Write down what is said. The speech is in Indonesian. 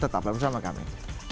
tetap bersama kami